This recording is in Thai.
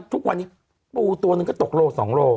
ทุกวันนี้ปูตัวหนึ่งก็ตกโล๒โล